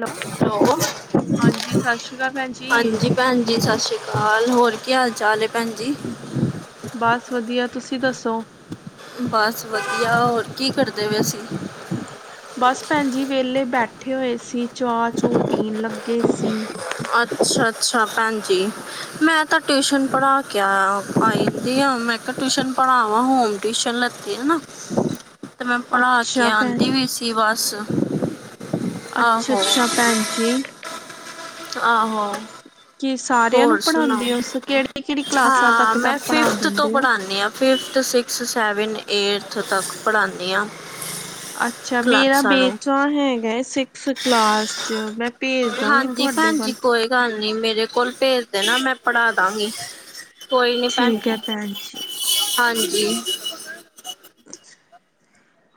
Hello ਸੋਹ, ਹਾਂਜੀ ਸਤਿ ਸ਼੍ਰੀ ਅਕਾਲ ਭੈਣ ਜੀ ਹਾਂਜੀ। ਭੈਣ ਜੀ ਸਸ਼ ਸ੍ਰੀ ਕਾਲ, ਹੋਰ ਕੀ ਹਾਲ-ਚਾਲ ਏ ਭੈਣ ਜੀ? ਬਸ ਵਦੀਆ ਤੁਸੀਂ ਦੱਸੋ? ਬਸ ਵਦੀਆ ਹੋਰ ਕੀ ਕਰਦੇ ਵੇ ਸੀ? ਬਸ ਭੈਣ ਜੀ ਵੈਲੇ ਬੈਠੇ ਹੋਏ ਸੀ, ਚਾ ਚੂ ਪੀਣ ਲੱਗੇ ਸੀ। ਅੱਛਾ-ਅੱਛਾ ਭੈਣਜੀ ਮੈਂ ਤਾਂ ਟਿਊਸ਼ਨ ਪੜ੍ਹਾ ਕੇ ਆ ਆਈ ਦੀਆਂ ਮੈਂ। ਟਿਊਸ਼ਨ ਪੜ੍ਹਾਵਾਂ ਹੋਮ ਟਿਊਸ਼ਨ ਲੱਗੀ ਐ ਨਾ, ਤੇ ਮੈਂ ਪੜ੍ਹਾ ਕੇ ਅੱਛਾ ਭੈਣ ਆਂਦੀ ਵੀ ਸੀ। ਦੀ ਵਾਸ ਆੱਛ, ਅੱਛਾ ਭੈਣ ਜੀ। ਆਹੋ। ਕੀ ਸਾਰਿਆਂ ਨੂੰ ਹੋਰ ਸੁਣਾਓ, ਪੜ੍ਹਾਉਂਦੇ ਹੋ ਕਿਹੜੀ ਕਿਹੜੀ ਕਲਾਸਾਂ ਹਾਂ ਤੱਕ ਦਾ ਮੈਂ ਪੜ੍ਹਾ ਫ਼ਿਫ਼ਥ ਤੋਂ ਦਿੰਦੇ ਹੋ ਪੜ੍ਹਾਣੀ ਆ। ਫ਼ਿਫ਼ਥ, ਸਿਕਸਥ, ਸੈਵੰਥ, ਏਥ, ਤੱਕ ਪੜ੍ਹਾਣੀ ਆ। ਆੱਛਾ, ਮੇਰਾ ਬੇਟਾ ਹੈਗਾ ਸਿਕਸ ਕਲਾਸ ਚ ਬ ਪੈਜ ਦਾਗੀ ਹਾਂਜੀ ਤੁਆਡੇ ਭੈਣ ਜੀ ਵੱਲ। ਕੋਈ ਗੱਲ ਨੀ, ਮੇਰੇ ਕੋਲ ਭੇਜ ਦੇਨਾ ਮੈਂ ਪੜ੍ਹਾ ਦਾਂਗੀ। ਕੋਈ ਨੀ ਭੈਣ ਠੀਕ ਹੈ ਜੀ, ਭੈਣ ਜੀ ਹਾਂਜੀ।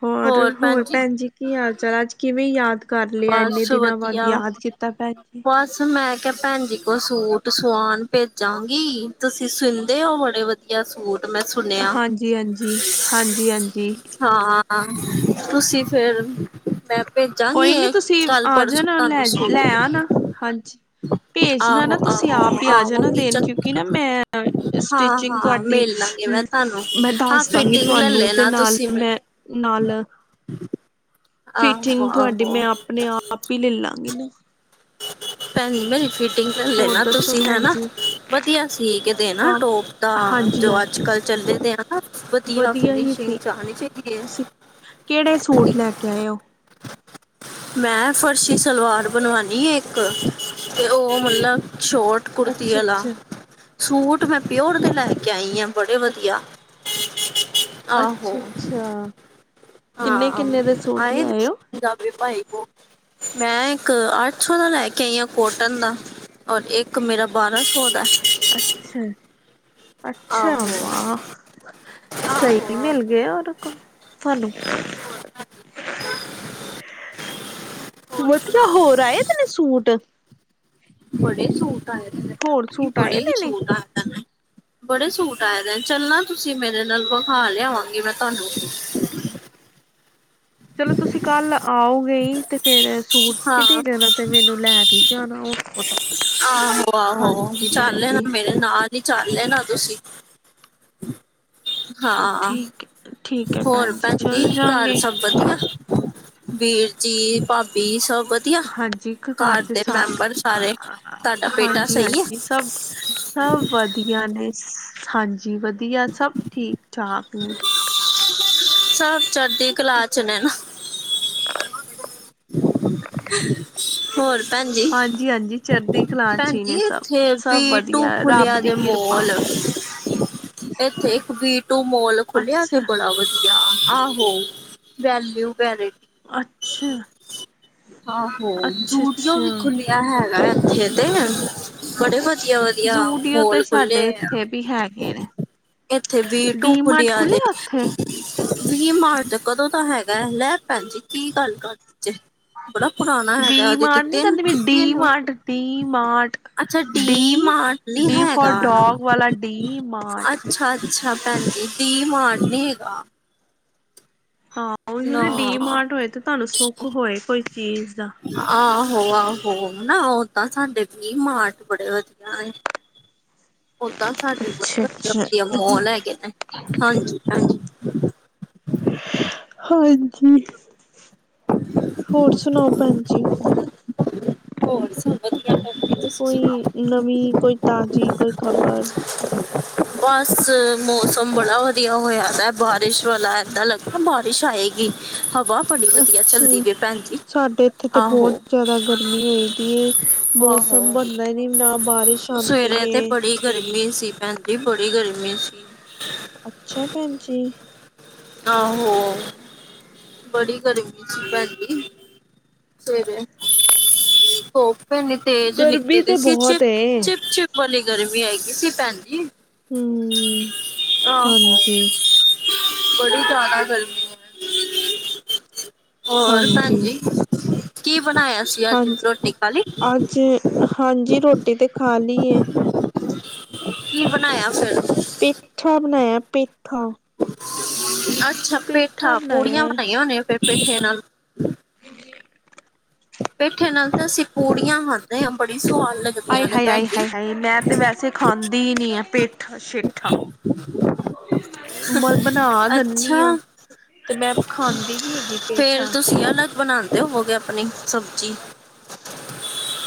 ਹੋਰ, ਹੋਰ ਭੈਣ ਜੀ ਕੀ ਹਾਲ-ਚਾਲ? ਅੱਜ ਕਿਵੇਂ ਯਾਦ ਕਰ ਲਿਆ ਇੰਨੇ ਬਸ ਦਿਨਾਂ ਬਾਅਦ, ਵਧੀਆ। ਯਾਦ ਕੀਤਾ ਭੈਣ ਜੀ। ਬਸ ਮੈਂ ਕਿਹਾ ਭੈਣ ਜੀ ਕੋਲ ਸੂਟ ਸਵਾਉਣ ਭੇਜਾਂਗੀ, ਤੁਸੀਂ ਸੀਂਦੇ ਹੋ ਬੜੇ ਵਧ ਕਯਾ ਸੂਟ ਮੇਸ ਹਾਂਜੀ-ਹਾਂਜੀ, ਹਾਂਜੀ-ਹਾਂਜੀ। ਹਾਂ, ਆ ਆ ਤੁਸੀਂ ਫਿਰ ਮੈਂ ਭੇਜਾਂਗੀ ਕੋਈ ਨੀ ਏ ਤੁਸੀਂ ਕਲ ਆ ਪਰਸੋ ਜਾਣਾ ਤਾਂ ਨੂੰ ਲੈ ਲੈ ਸੂਟ ਆਣਾ ਹਾਂਜੀ ਭੇਜਣਾ ਨਾ ਆਹੋ ਤੁਸੀਂ ਆਪ ਆਹੋ ਹੀ ਆ ਜਾਣਾ ਆਵਾਂਗੇ ਦੇਣ ਕਿਉਂਕਿ ਨਾ ਚੱਕਰ, ਮੈਂ ਸਟਿਚਿੰਗ ਹਾਂ-ਹਾਂ ਤੁਹਾਡੀ ਮਿਲ ਲਾਂਗੇ ਮੈਂ ਤਾਂ ਨੂੰ, ਮੈਂ ਹਾਂ ਦੱਸ ਦਾਂਗੀ ਫਿਟਿੰਗ ਲੈ ਤੁਹਾਨੂੰ ਤੇ ਲੈਣਾ ਨਾਲ ਤੁਸੀਂ ਮੈਂ ਨਾਲ ਫਿਟਿੰਗ ਤੁਆਡੀ ਮੈਂ ਆਪਣੇ ਆਪ ਈ ਲੈ ਲਾਂਗੀ ਨਾ। ਤਨ ਮਲ ਫਿਟਿੰਗ ਚ ਹੋਰ ਲੈਣਾ ਦੱਸੋ ਤੁਸੀਂ ਹੈ ਭੈਣ ਨਾ? ਜੀ ਵਦੀਆ ਸੀ, ਕੀਦੇ ਨਾ ਕੰਮ ਟੌਪ ਦਾ‌, ਹਾਂਜੀ ਜੋ ਹਾਂ ਅੱਜ-ਕੱਲ੍ਹ ਚੱਲਦੇ ਆ ਨਾ। ਵਦੀਆ ਵਧੀਆ ਹੀ ਫਿਨੀਸ਼ਿੰਗ ਸੀ ਚ ਆਣੀ ਚਾਈਦੀ ਏ, ਤੁਸੀਂ ਕਿਹੜੇ ਫਿਟਿੰਗ। ਸੂਟ ਲੈ ਕੇ ਆਏ ਹੋ ਮੈਂ ਫਰਸ਼ੀ ਸਲਵਾਰ ਬਣਵਾਈ। ਨੀ ਇੱਕ, ਤੇ ਓ ਮਤਲਬ, ਸ਼ੌਰਟ ਕੁਰਤੀ ਵਲਾ। ਅੱਛਾ-ਅੱਛਾ, ਸੂਟ ਮੈਂ ਪਿਓਰ ਦੇ ਲੈਕੇ ਆਈ ਆਂ, ਬੜੇ ਵਧੀਆ। ਆਹੋ, ਅੱਛਾ-ਅੱਛਾ ਹਾਂ ਆਮ ਕਿੰਨੇ-ਕਿੰਨੇ ਦੇ ਸੂਟ ਆਏ ਏਦੇ ਲਿਆਏ ਚ ਓ? ਪੰਜਾਬੀ ਭਾਈ ਕੋ, ਮੈਂ ਇੱਕ ਆ ਸੌਣਾ ਲੈ ਕੇ ਆਈ ਆਂ ਕੋਟਨ ਦਾ, ਔਰ ਇੱਕ ਮੇਰਾ ਬਾਰਾਂ ਸੌ ਦਾ ਏ। ਅੱਛਾ-ਅੱਛਾ। ਆਹੋ ਵਾਹ। ਆਹੋ ਸਹੀ ਆਹੋ ਮਿਲ ਗਏ ਓਹਦੇ ਕੋ, ਤੁਹਾਨੂੰ [inaudible] ਵਧੀਆ ਹੋਰ ਆਏ ਤੈਨੂੰ ਸੂਟ ਬੜੇ ਸੂਟ ਆਏ ਹੋਰ ਜੀ ਸੂਟ ਬੜੇ ਆਏ ਹੀ ਦੇ ਨੇ? ਸੂਟ ਆ ਬੜੇ ਸੂਟ ਆਏ ਦੇ ਨੇ, ਚੱਲਣਾ ਤੁਸੀਂ ਮੇਰੇ ਨਾਲ ਵਿਖਾ ਲਿਆਵਾਂਗੀ ਮੈਂ ਤੁਹਾਨੂੰ ਚਲੋ ਤੁਸੀਂ ਕੱਲ ਆਓਗੇ ਤੇ ਫੇਰ ਸੂਟ ਵੀ ਹਾਂ ਦੇ ਦੇਣਾ ਤੇ ਮੈਨੂੰ ਲੈ ਵੀ ਜਾਣਾ ਉਹਤਾ ਆਹੋ, ਆਹੋ ਚੱਲ ਨਾ ਜੀ ਮੇਰੇ ਨਾਲ ਹੀ ਚੱਲ ਨਾ ਤੁਸੀਂ ਹਾਂ, ਠੀਕ ਠੀਕ ਐ ਹੋਰ ਭੈਣ ਜੀ ਭੈਣਜੀ ਚੱਲ ਘਰ ਜਾਂਗੇ। ਸਭ ਵਧੀਆ, ਵੀਰਜੀ, ਭਾਬੀ ਸਭ ਵਧੀਆ ਹਾਂਜੀ ਇਕ ਘਰ ਤੇ ਦੇ ਸ ਮੈਂਬਰ ਸਾਰੇ? ਤੁਹਾਡਾ ਬੇਟਾ ਹਾਂਜੀ- ਸਹੀ ਹੈ ਹਾਂਜੀ ਸਭ ਸਭ ਵਧੀਆ ਨੇ, ਹਾਂਜੀ ਵਧੀਆ ਸਭ ਠੀਕ -ਠਾਕ ਨੇ ਸਭ ਚੜਦੀ ਕਲਾ 'ਚ ਨੇ ਨਾ ਹੋਰ ਭੈਣ ਜੀ? ਹਾਂਜੀ- ਹਾਂਜੀ ਚੜਦੀ ਕਲਾ 'ਚ ਭੈਣ ਜੀ ਨੇ ਸਭ, ਇੱਥੇ ਸਭ ਵੀ ਟੂ ਵਧੀਆ ਰੱਬ ਖੁੱਲਿਆ ਦੀ ਜੇ ਕਿਰਪਾ ਮੋਲ ਇੱਥੇ ਇੱਕ ਵੀ ਟੂ ਮੋਲ ਖੁਲਿਆ ਤੇ ਅੱਛਾ ਬੜਾ ਵਧੀਆ ਆਹੋ, ਵੈਲਊ ਵੈ ਅੱਛਾ ਆਹੋ ਅੱਛਾ ਜੂਡੀਓ ਵੀ ਅੱਛਾ ਖੁੱਲਿਆ ਹੈਗਾ ਇੱਥੇ ਤੇ, ਬੜੇ ਵਧੀਆ, ਵਧੀਆ ਜ਼ੂਡੀਓ ਤੇ ਮੋਲ ਖੁੱਲੇ ਸਾਡੇ ਆ ਇੱਥੇ ਵੀ ਹੈਗੇ ਨੇ ਇੱਥੇ ਵੀ ਟੂ ਡੀ ਮਾਰਟ ਖੁਲਿਆਂ ਜੇ ਖੁੱਲਿਆ ਉੱਥੇ ਵੀ ਮਾਰਜ ਕਦੋਂ ਤਾਂ ਹੈਗਾ ਲੈ ਭੈਣ ਜੀ ਕੀ ਗੱਲ ਕਰਦੇ ਵੀ ਮਾਰਟ ਨਹੀਂ ਕਹਿੰਦੀ ਡੀ ਤਿੰਨ ਮਾਰਟ, ਡੀ ਮਾਰਟ ਅੱਛਾ ਡੀ ਮਾਰਟ ਨੀ ਡੀ ਫੋਰ ਡੋਗ ਵਾਲਾ ਡੀ ਮਾਰਟ ਅੱਛਾ, ਅੱਛਾ ਭੈਣ ਜੀ ਡੀ ਮਾਰਟ ਨੀ ਹੈਗਾ ਹਾਂ ਉਹੀ ਨਾ ਡੀਮਾਰਟ ਹੋਏ ਤੇ ਤੁਹਾਨੂੰ ਸੁੱਖ ਹੋਏ ਕੋਈ ਚੀਜ਼ ਦਾ ਆਹੋ, ਆਹੋ ਨਾ ਉਹ ਤਾਂ ਸਾਡੇ ਵੀ ਡੀ ਮਾਰਟ ਬੜੇ ਵਧੀਆ ਨੇ ਓਦਾ ਸਾਡੇ ਅੱਛਾ ਅੱਛਾ ਵਧੀਆ-ਵਧੀਆ ਮੌਲ ਹੈਗੇ ਨੇ, ਹਾਂਜੀ-ਹਾਂਜੀ। ਹਾਂਜੀ, ਹੋਰ ਸੁਣਾਓ ਭੈਣ ਜੀ ਹੋਰ ਵਧੀਆ ਭੈਣ ਜੀ ਤੁਸੀਂ ਕੋਈ ਸੁਣਾਓ? ਨਵੀਂ, ਕੋਈ ਤਾਜ਼ੀ, ਕੋਈ ਖਬਰ ਬਸ ਮੌਸਮ ਬੜਾ ਵਧੀਆ ਹੋਇਆ ਦਾ ਬਾਰਿਸ਼ ਵਾਲਾ ਏਦਾਂ ਲ ਬਾਰਿਸ਼ ਆਏਗੀ, ਹਵਾ ਬੜੀ ਵਧੀਆ ਚੱਲਦੀ ਅੱਛਾ ਪਈ ਭੈਣ ਜੀ ਸਾਡੇ ਇੱਥੇ ਤੇ ਬਹੁਤ ਆਹੋ ਜ਼ਿਆਦਾ ਗਰਮੀ ਹੋਈ ਦੀ, ਮੌਸਮ ਆਹੋ। ਬਣਦਾ ਹੀ ਨ ਨਾ ਬਾਰਿਸ਼ ਆਂਦੀ ਸਵੇਰੇ ਤੇ ਏ ਬੜੀ ਗਰਮੀ ਸੀ, ਭੈਣਜੀ ਬੜੀ ਗਰਮੀ ਸੀ ਅੱਛਾ ਭੈਣ ਜੀ ਆਹੋ, ਬੜੀ ਗਰਮੀ ਸੀ ਭੈਣਜੀ ਸਵੇਰੇ, ਧੁੱਪ ਇੰਨੀ ਤੇਜ ਨਿਕਲੀ ਗਰਮੀ ਦੀ ਤੇ ਸੀ ਬਹੁਤ ਚਿਪ- ਏ ਚਿਪ- ਚਿਪ ਬੜੀ ਗਰਮੀ ਹੈਗੀ ਸੀ ਭੈਣ ਜੀ, ਹੂੰ ਆਹੋ ਹਾਂਜੀ ਬੜੀ ਜ਼ਿਆਦਾ ਗਰਮੀ ਹੈ, ਹੋਰ ਭੈਣ ਹਾਂਜੀ ਜੀ ਕੀ ਬਣਾਇਆ ਤੁਸੀ ਅੱਜ ਹਾਂਜੀ ਰੋਟੀ ਖਾ ਲਈ ਅੱਜ ਹਾਂਜੀ ਰੋਟੀ ਤੇ ਖਾ ਲਈਏ ਕੀ ਬਣਾਇਆ ਫਿਰ ਪੇਠਾ ਬਣਾਇਆ ਪੇਠਾ ਅੱਛਾ ਪੇਠਾ, ਪੂੜੀਆਂ ਬਣਾਈਆਂ ਹੋਣੀਆਂ, ਫਿਰ ਪੇਠੇ ਨਾਲ ਪੇਠੇ ਨਾਲ ਤਾਂ ਅਸੀਂ ਪੂੜੀਆਂ ਖਾਂਦੇ ਹਾਂ, ਬੜੀ ਸੁਆਦ ਲੱਗਦੀ ਆਏ ਹਾਏ ਆਈ ਹ ਆ ਮੈਂ ਤੇ ਵੈਸੇ ਖਾਂਦੀ ਹੀ ਨੀ ਆ ਪੇਠਾ-ਸ਼ੇਠਾ, ਬ ਬਣਾ ਦਿੰਦੀ ਹਾਂ, ਅੱਛਾ ਤੇ ਮੈਂ ਖਾਂਦੀ ਨੀ ਹੈਗੀ ਪੇਠਾ ਕੀ ਅਲੱਗ ਬਣਾ ਤੇ ਉਹ ਗਿਆ ਆਪਣੀ ਸਬਜ਼ੀ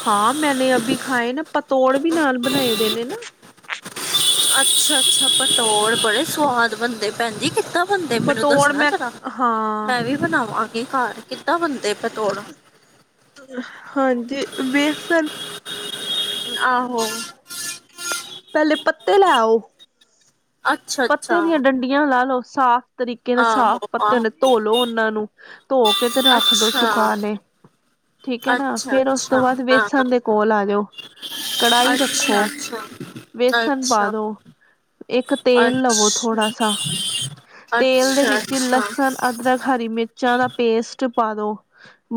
ਹਾਂ, ਮੈਨੇ ਅਭੀ ਖਾਏ ਨਾ ਪਤੋੜ ਵੀ ਨਾਲ ਬਣਾਏ ਦੇ ਨੇ ਨਾ। ਅੱਛਾ ਅੱਛਾ ਪਤੌੜ ਬੜੇ ਸਵਾਦ ਬੰਦੇ ਭੈਣ ਜੀ ਕਿੱਦਾਂ ਬੰਦੇ ਮੈਨੂੰ ਪਤੋੜ ਦੱਸਣਾ ਮੈਂ ਜਰਾ, ਹਾਂ ਮੈਂ ਵੀ ਬਣਾਵਾਗੀ ਘਰ ਕਿੱਦਾਂ ਬਣਦੇ ਪਤਾ ਹਾਂਜੀ ਬੇਸਨ ਆਹੋ ਪਹਿਲੇ ਪੱਤੇ ਲੈਓ ਅੱਛਾ ਅੱਛਾ ਪੱਤੇ ਦੀਆਂ ਡੰਡੀਆਂ ਲਾ ਲਓ ਸਾਫ਼ ਤਰੀਕੇ ਨਾਲ ਆਹੋ ਸਾਫ਼ ਪੱਤੇ ਨੇ ਆਹੋ ਧੋ ਲੋ ਉਹਨਾਂ ਨੂੰ ਧੋ ਕੇ ਤੇ ਰੱਖ ਦੋ ਅੱਛਾ ਸੁਕਾ ਕੇ ਠੀਕ ਹੈ ਨਾ ਅੱਛਾ ਫਿਰ ਉਸ ਤੋਂ ਅੱਛਾ ਬਾਅਦ ਹਾਂ ਵੇਸਣ ਦੇ ਕੋਲ ਆ ਜਾਓ, ਕੜਾਹੀ ਅੱਛਾ ਰੱਖੋ ਅੱਛਾ ਵੇਸਣ ਪਾ ਅੱਛਾ ਦੋ, ਇੱਕ ਤੇਲ ਲਵੋ ਥੋੜਾ ਸਾ, ਅੱਛਾ ਅੱਛਾ ਤੇਲ ਦੇ ਵਿੱਚ ਅੱਛਾ ਲਸਣ ਅਦਰਕ ਹਰੀ ਮਿਰਚਾਂ ਦਾ ਪੇਸਟ ਪਾ ਦੋ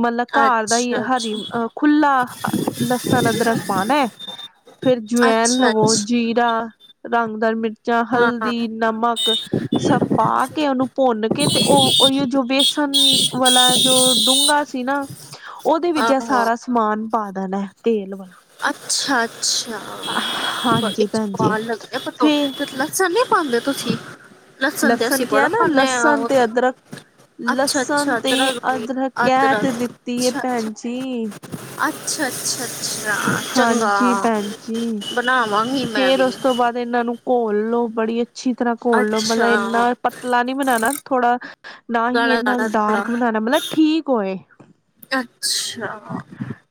ਮਤਲਬ ਅੱਛਾ ਘਰ ਦਾ ਹੀ ਅੱਛਾ ਹਰੀ ਅ ਖੁਲਾ ਲਸਣ ਅਦਰਕ ਪਾਣਾ ਹੈ ਫਿਰ ਅਜਵੈਨ ਅੱਛਾ ਅੱਛਾ ਲਵੋ ਜੀਰਾ, ਰੰਗਦਾਰ ਮਿਰਚਾਂ ਹਾਂ ਹਲਦੀ ਨਮਕ ਸਭ ਪਾ ਕੇ ਉਹਨੂੰ ਭੁੰਨ ਕੇ ਤੇ ਉਹ ਹੀ ਜੋ ਬੇਸਣ ਵਾਲਾ ਜੋ ਡੂੰਘਾ ਸੀ ਨਾ ਉਹਦੇ ਵਿੱਚ ਆਹੋ ਸਾਰਾ ਸਮਾਨ ਪਾ ਦੇਣਾ ਤੇਲ ਵਾਲਾ ਅੱਛਾ ਅੱਛਾ ਹਾਂਜੀ ਭੈਣ ਜੀ, ਫੇਰ [unintelligible] ਤੇ ਲੱਸਣ ਨੀ ਪਾਉਂਦੇ ਤੁਸੀਂ ਲਸਣ ਤੇ ਅਸੀਂ ਬੜਾ ਕਿਹਾ ਨਾ ਪਾਨੇ ਆ ਲਸਣ ਤੇ ਅਦਰਕ ਲਸਣ ਤੇ ਅਦਰਕ ਕੈ ਤੇ ਦਿੱਤੀ ਹੈ ਭੈਣ ਜੀ ਅੱਛਾ-ਅੱਛਾ-ਅੱਛਾ ਹਾਂਜੀ ਭੈਣਜੀ, ਬਣਾਵਾਂਗੀ ਮੈਂ ਫੇਰ ਵੀ ਉਸ ਤੋਂ ਬਾਅਦ ਇਹਨਾਂ ਨੂੰ ਘੋਲ ਲੋ ਬੜੀ ਅੱਛੀ ਤਰ੍ਹਾਂ ਘੋਲ ਲੋੋ ਮਤਲਬ ਅੱਛਾ ਇੰਨਾ ਪਤਲਾ ਨੀ ਬਣਾਣਾ ਥੋੜਾ ਨਾ ਹੀ ਗਾੜਾ ਇਹਨਾ ਗਾੜਾ ਥੋੜਾ ਡਾਰਕ ਬਣਾਉਣਾ ਮਤਲਬ ਠੀਕ ਹੋਏ, ਅੱਛਾ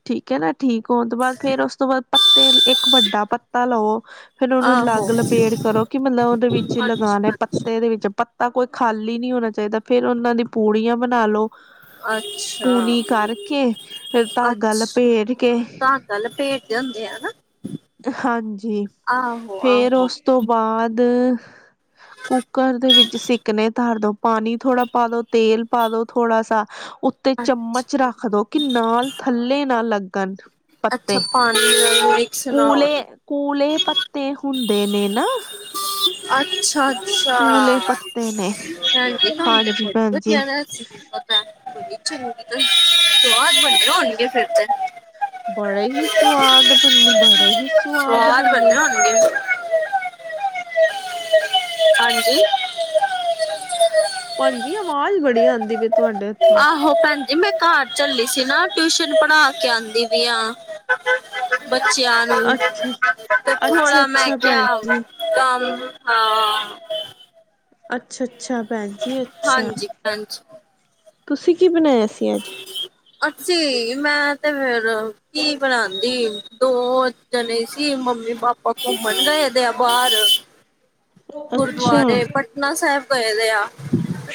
ਠੀਕ ਹੈ ਨਾ ਠੀਕ ਹੋਣ ਤੋਂ ਬਾਅਦ ਫੇਰ ਉਸ ਤੋਂ ਬਾਅਦ ਪੱਤੇ ਇੱਕ ਵੱਡਾ ਪੱਤਾ ਲਓ ਫਿਰ ਉਹਨੂੰ ਆਹੋ ਅੱਗ ਲਬੇੜ ਕਰੋ ਕਿ ਮਤਲਬ ਉਹਦੇ ਵਿੱਚ ਹੀ ਲਗਾਉਣੇ ਅੱਛਾ ਪ ਅੱਛਾ ਪੱਤੇ ਇਹਦੇ ਵਿੱਚ ਪੱਤਾ ਕੋਈ ਖਾਲੀ ਨਹੀਂ ਹੋਣਾ ਚਾਹੀਦਾ ਫਿਰ ਉਹਨਾਂ ਦੀ ਪੂੜੀਆਂ ਬਣਾ ਲਓ। ਅੱਛਾ ਪੂਣੀ ਕਰਕੇ ਫਿਰ ਧਾਗਾ ਲਭੇਟ ਕੇ, ਹਾਂ, ਭੇਟਦੇ ਹੁੰਦੇ ਆ ਨਾ? ਹਾਂਜੀ, ਆਹੋ ਫੇਰ ਆਹੋ ਉਸ ਤੋਂ ਬਾਅਦ, ਕੁੱਕਰ ਦੇ ਵਿੱਚ ਸਿੱਕਨੇ ਧਰਦੋ ਪਾਣੀ ਥੋੜਾ ਪਾ ਦੋ ਤੇਲ ਪਾ ਦੋ ਥੋੜਾ ਸਾ, ਉੱਤੇ ਚਮਚ ਅੱਛਾ ਰੱਖ ਦੋ ਕਿ ਨਾਲ ਥੱਲੇ ਨਾ ਲੱਗਣ, ਅੱਛਾ ਪਾਣੀ, ਮਿਕਸ ਨਾ ਕੁਲੇ ਹੋਣ ਕੁਲੇ ਪੱਤੇ ਹੁੰਦੇ ਨੇ ਨਾ, ਅੱਛਾ, ਅੱਛਾ, ਕੂਲੇ ਪੱਤੇ ਨੇ ਹਾਂਜੀ ਕੰਮ ਤੇ ਹਾਂਜੀ ਬਹੁਤ ਭੈਣ ਵਧੀਆ ਜੀ [unintelligible] ਫਿਰ ਤੇ ਬੜੇ ਹੀ ਸਵਾਦ ਬੰਨੇ ਬੜੇ ਹੀ ਸੁਵਾਦ ਸਵਾਦ ਬੰਨੇ ਬਣੇ ਹੋਣਗੇ ਹਾਂਜੀ ਭੈਣਜੀ ਆਵਾਜ਼ ਬੜੀ ਆਉਂਦੀ ਵੀ ਆਹੋ ਭੈਣਜੀ ਮੈਂ ਘਰ ਚੱਲੀ ਸੀ ਨਾ ਟਿਊਸ਼ਨ ਪੜ੍ਹਾ ਕੇ ਆਉਂਦੀ ਵੀ ਆ ਬੱਚਿਆਂ ਨੂੰ, ਅੱਛਾ ਤੇ ਅੱਛਾ ਥੋੜਾ ਮੈਂ ਅੱਛਾ ਭੈਣ ਕਿਹਾ ਜੀ ਕੰਮ ਹਾਂ ਅੱਛਾ-ਅੱਛਾ ਭੈਣ ਜੀ, ਅੱਛਾ, ਹਾਂਜੀ ਹਾਂਜੀ ਤੁਸੀਂ ਕੀ ਬਣਾਇਆ ਸੀ ਅੱਜ? ਅਸੀਂ ਮੈਂ ਤੇ ਫੇਰ ਕੀ ਬਣਾਦੀ ਦੋ ਜਾਨੇ ਸੀ ਮੰਮੀ ਪਾਪਾ ਘੁੰਮਣ ਗਏਦੇ ਆ ਬਾਹਰ ਅੱਛਾ ਗੁਰਦੁਆਰੇ ਪਟਨਾ ਸਾਹਿਬ ਗਏ ਦੇ ਆ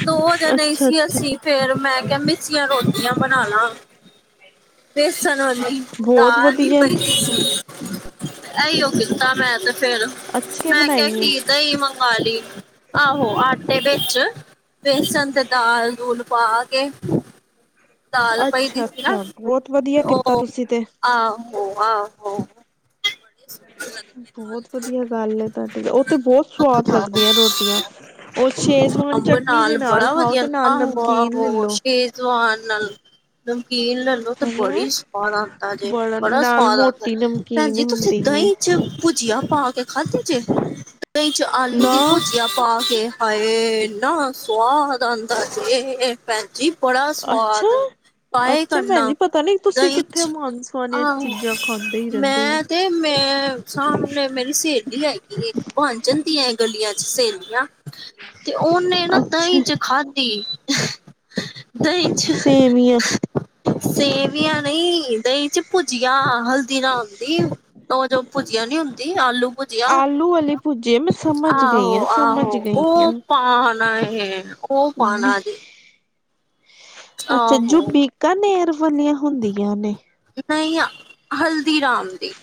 ਦੋ ਜਣੇ ਹੀ ਸੀ ਅੱਛਾ-ਅੱਛਾ ਅਸੀਂ। ਫੇਰ ਮੈਂ ਕਿਹਾ ਮਿੱਸੀਆਂ ਰੋਟੀਆਂ ਬਣਾ ਲਾ। ਬੇਸਣ ਵਾਲੀ ਬਹੁਤ ਦਾਲ ਹੀ ਵਧੀਆ ਪਈ ਸੀ। ਇਹੀ ਓ ਕੀਤਾ ਮੈਂ ਤੇ ਫੇਰ ਅੱਛੇ ਮੈਂ ਕਿਹਾ ਬਣਾਈ ਏ ਕੀ। ਮੰਗਾ ਲੀ। ਆਹੋ ਆਟੇ ਵਿੱਚ ਬੇਸਣ ਤੇ ਦਾਲ ਦੂਲ ਪਾ ਕੇ। ਦਾਲ ਪਈ ਸੀ ਨਾ। ਅੱਛਾ-ਅੱਛਾ ਬਹੁਤ ਵਧੀਆ ਕੀਤਾ ਓ ਤੁਸੀਂ ਤੇ ਆਹੋ ਆਹੋ। ਬੜੇ ਸਵਾਦ ਲੱਗਦੇ। ਨਾਲ ਬਹੁਤ ਵਧੀਆ ਗੱਲ ਹੈ ਤੁਹਾਡੀ। ਉਹ ਤੇ ਬਹੁਤ ਸਵਾਦ ਲੱਗਦੀਆਂ ਰੋਟੀਆਂ। ਉਹ ਸ਼ੇਜਵਾਨ ਅੰਬ ਚਟਨੀ ਦੇ ਨਾਲ ਬੜਾ ਖਾਓ ਤੇ ਨਾਲ ਨਮਕੀਨ ਲੈ ਲੋ। ਨ ਨਾਲ। ਨਮਕੀਨ ਲੈ ਲੋ ਤਾਂ ਹੈਲੋ ਬੜੀ ਸਵਾਦ ਆਉਂਦਾ ਜੇ। ਬੜਾ ਨਾਲ ਸਵਾਦ ਆਉਂਦਾ। ਮੋਟੀ ਭੈਣ ਨਮਕੀਨ ਜੀ ਤੁਸੀਂ ਹੁੰਦੀ ਏ ਦਹੀਂ ਚ ਭੁਜੀਆ ਪਾ ਕੇ। ਖਾਧੀ ਜ। ਦਹੀਂ ਚ ਆਲੂ ਦੀ ਨਾ ਭੁਜੀਆ। ਪਾ ਕੇ। ਹਾਏ! ਇੰਨਾ ਸਵਾਦ ਆਉਂਦਾ ਸੀ ਜ। ਭੈਣ ਜੀ ਬੜਾ। ਅੱਛਾ ਹਦ। ਪਾਏ ਅੱਛਾ ਭੈਣ ਕਰਨਾ ਜੀ ਪਤਾ ਨੀ ਤੁਸੀਂ ਦਹੀਂ ਕਿੱਥੇ 'ਚ। ਮਾਨਸ ਵਾਲੀਆਂ ਆਹੋ ਚੀਜ਼ਾਂ ਖਾਂਦੇ ਹੀ ਰਹਿੰਦੇ ਆ ਮੈਂ ਤੇ ਮੈਂ। ਸਾਹਮਣੇ ਮੇਰੀ ਸਹੇਲੀ ਹੈਗੀ। ਬਣ ਜਾਂਦੀਆਂ ਗਲੀਆਂ 'ਚ ਸਹੇਲੀਆਂ। ਤੇ ਉਹਨੇ ਨਾ ਦਹੀਂ ਅੱਛਾ ਚ ਖਾਧੀ। ਦਹੀਂ। ਚ ਸੇਵੀਆਂ। ਸੇਵੀਆਂ ਨਹੀਂ। ਦਹੀਂ ਚ ਭੁਜਿਆ ਹਲਦੀ ਰਾਮ। ਹੁੰਦੀ। ਉਹ ਜੋ ਭੁਜੀਆ ਨੀ ਹੁੰਦੀ। ਆਲੂ ਭੁਜੀਆ। ਆਲੂ ਵਾਲੀ ਭੁਜੇ ਮੈਂ ਸਮਝ ਗਈ ਆਹੋ ਹਾਂ ਸਮਝ ਆਹੋ। ਗਈ ਉਹ ਹਾਂ ਪਾਣਾ ਹੈ। ਉਹ ਪਾਉਣਾ ਜੇ। ਅੱਛਾ ਜੁ ਆਹੋ ਬਿਕਾਨੇਰ ਵਾਲੀਆਂ ਹੁੰਦੀਆਂ ਨੇ। ਨਹੀਂ ਆ ਹਲਦੀਰਾਮ ਦੀ।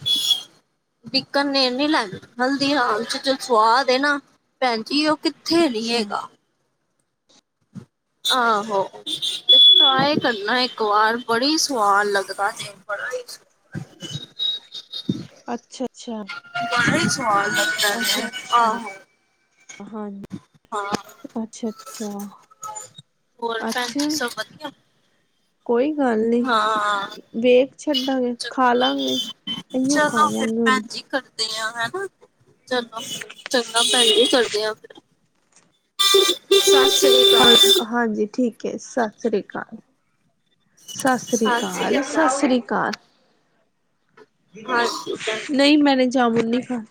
ਬਿਕਣ ਨੇ ਨੀ ਲੈਂਦੇ। ਹਲਦੀਰਾਮ 'ਚ ਜੋ ਸਵਾਦ ਹੈ ਨਾ। ਭੈਣ ਜੀ ਉਹ। ਕਿੱਥੇ ਅੱਛਾ ਲੀਏਦਾ? ਆਹੋ। ਸਾਰੇ ਕਰਨਾ ਇੱਕ ਵਾਰ ਬੜੀ ਸਵਾਦ ਲਗਦਾ ਹੈ। ਪੜ੍ਹਾਈ। ਅੱਛਾ ਅੱਛਾ। [inaudible] ਅੱਛਾ ਅੱਛਾ। ਆਹੋ ਹਾਂਜੀ। ਹਾਂ। ਅੱਛਾ ਅੱਛਾ। ਹੋਰ ਭੈਣ ਜੀ ਅੱਛਾ ਸਭ ਵਧੀਆ। ਕੋਈ ਗੱਲ ਨੀ। ਹਾਂ ਵੇਖ ਛੱਡਾਂਗੇ ਖਾ ਚੰਗਾ ਲਾਂਗੇ। ਇਹੀਓ ਚਲੋ ਫਿਰ ਖਾਵਾਂਗੇ ਹੁਣ। ਭੈਣ ਜੀ ਕਰਦੇ ਚਲੋ ਚੰਗਾ ਭੈਣ ਜੀ ਕਰਦੇ ਹਾਂ ਫਿਰ। ਸੱਸ ਰੀ। ਹੋ ਹਾਂਜੀ ਠੀਕ ਹੈ। ਸਤਿ ਸ਼੍ਰੀ ਅਕਾਲ। ਸਤਿ ਸ੍ਰੀ ਅਕਾਲ। ਸਤਿ ਸ੍ਰੀ ਅਕਾਲ। ਹਾਂਜੀ ਭੈਣ ਜੀ ਨਹੀਂ ਮੈਂਨੇ ਜਾਮੁਣ ਨੀ ਖਾ।